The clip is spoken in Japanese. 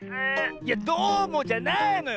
いや「どうも」じゃないのよ！